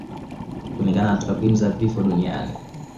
Kulingana na takwimu za vifo duniani